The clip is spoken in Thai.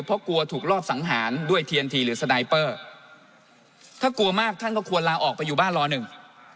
เพราะกลัวถูกรอบสังหารด้วยเทียนทีหรือสไนเปอร์ถ้ากลัวมากท่านก็ควรลาออกไปอยู่บ้านรอหนึ่ง